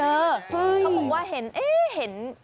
เขาบอกว่าเห็นเห็น